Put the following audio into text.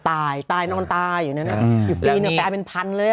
ตายนอนตายอยู่นั้นอยู่ปีหนึ่งปลายเป็นพันธุ์เลย